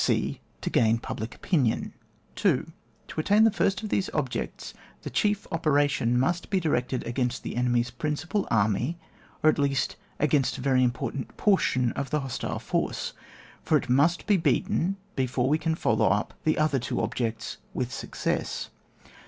{e) To gain public opinion. 2. To attain the first of these objects, the chief operation must be directed against the enemy's principal army, or at least against a very important portion of the hostile force ; for it must be beaten before we can follow up the other two objects with success.